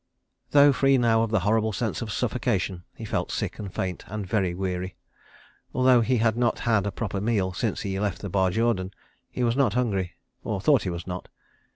... Though free now of the horrible sense of suffocation, he felt sick and faint, and very weary. Although he had not had a proper meal since he left the Barjordan, he was not hungry—or thought he was not.